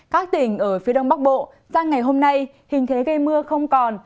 các tỉnh ở phía đông bắc bộ sang ngày hôm nay hình thế gây mưa không còn